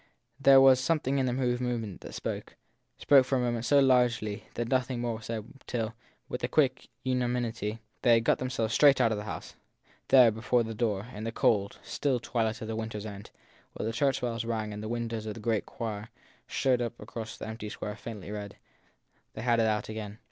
There was something in her movement that spoke spoke for a moment so largely that nothing more was said till, with a quick unanimity, they had got themselves straight out of the house. There, before the door, in the cold, still twilight of the winter s end, while the church bells rang and the win dows of the great choir showed across the empty square faintly red, they had it out again.